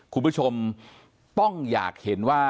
คุณผู้ชมต้องอยากเห็นว่า